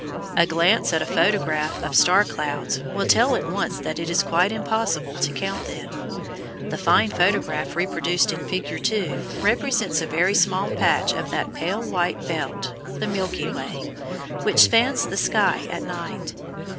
A glance at a photograph of star clouds will tell at once that it is quite impossible to count them. The fine photograph reproduced in Figure 2 represents a very small patch of that pale white belt, the Milky Way, which spans the sky at night.